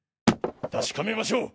確かめましょう。